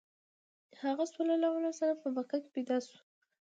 هغه ﷺ په مکه کې پیدا شو.